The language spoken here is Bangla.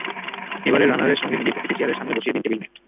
এবারের রানারের সঙ্গে মিলিয়ে প্রতিটি চেয়ারের সামনে বসিয়ে দিন টেবিল ম্যাট।